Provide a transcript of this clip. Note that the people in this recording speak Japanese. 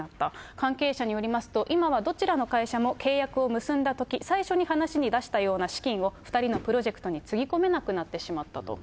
関係者によりますと、今はどちらの会社も、契約を結んだとき、最初に話に出したような資金を２人のプロジェクトにつぎ込めなくなってしまったと。